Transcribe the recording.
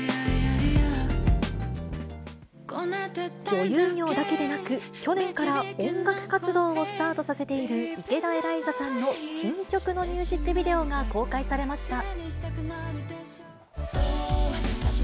女優業だけでなく、去年から音楽活動をスタートさせている池田エライザさんの新曲のミュージックビデオが公開されました。